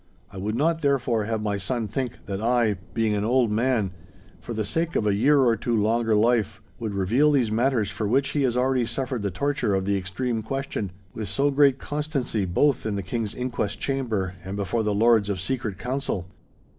I would not, therefore, have my son think that I, being an old man, for the sake of a year or two of longer life, would reveal those matters for which he has already suffered the torture of the extreme question, with so great constancy both in the King's inquest chamber and before the Lords of Secret Council.